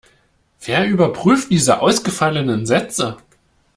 Wer überprüft diese ausgefallenen Sätze?